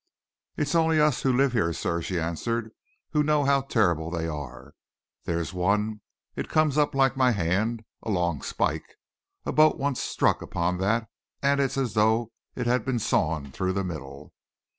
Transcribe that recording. "It's only us who live here, sir," she answered, "who know how terrible they are. There's one it comes up like my hand a long spike. A boat once struck upon that, and it's as though it'd been sawn through the middle."